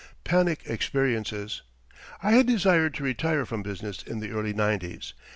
PANIC EXPERIENCES I had desired to retire from business in the early nineties.